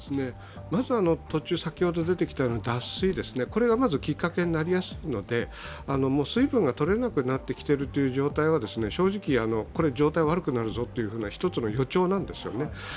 まず途中、先ほど出てきたような脱水これがまず、きっかけになりやすいので、水分がとれなくなってきている状態は正直、状態が悪くなるぞという一つの予兆なんですよね。